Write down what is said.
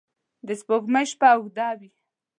د سپوږمۍ شپه اوږده وي